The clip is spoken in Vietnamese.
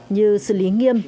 như xử lý nghiêm